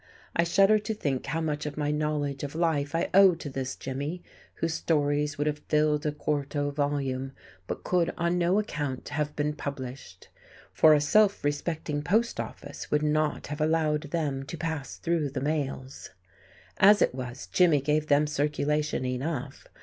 I shudder to think how much of my knowledge of life I owe to this Jimmy, whose stories would have filled a quarto volume, but could on no account have been published; for a self respecting post office would not have allowed them to pass through the mails. As it was, Jimmy gave them circulation enough.